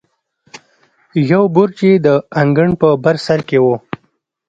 یو برج یې د انګړ په بر سر کې و.